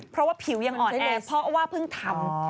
เพราะว่าผิวยังอ่อนเลยเพราะว่าเพิ่งทำ